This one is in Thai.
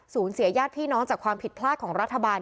เสียญาติพี่น้องจากความผิดพลาดของรัฐบาล